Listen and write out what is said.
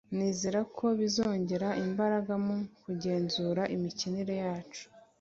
nizera ko bizongera imbaraga mu kugenzura imikinire yacu